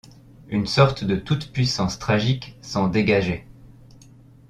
Une sorte de toute-puissance tragique s’en dégageait.